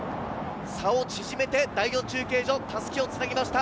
差を縮めて第４中継所、襷を繋ぎました。